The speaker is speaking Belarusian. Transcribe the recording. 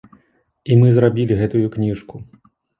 І мы зрабілі гэтую кніжку.